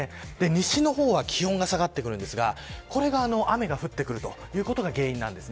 西の方は、気温が下がってきますが、これは雨が降ってくるということが原因です。